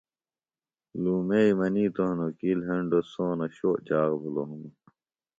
لُومئی منِیتوۡ ہنوۡ کیۡ لھیۡنڈوۡ سونہ شو چاخ بِھلوۡ ہنوۡ